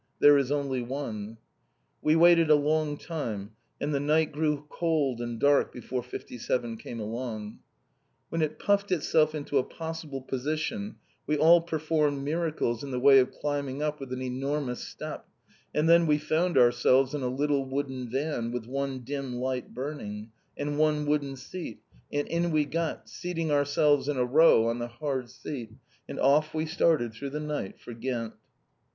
There is only one." We waited a long time, and the night grew cold and dark before 57 came along. When it puffed itself into a possible position we all performed miracles in the way of climbing up an enormous step, and then we found ourselves in a little wooden van, with one dim light burning, and one wooden seat, and in we got, seating ourselves in a row on the hard seat, and off we started through the night for Ghent.